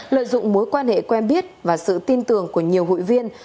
lợi dụng mối quan hệ quen biết và sự tin tưởng của nhiều hội viên